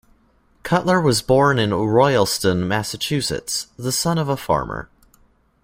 Cutler was born in Royalston, Massachusetts, the son of a farmer.